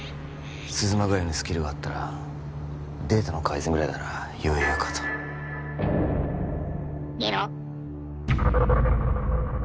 鈴間ぐらいのスキルがあったらデータの改ざんぐらいなら余裕かと「ゲロッ」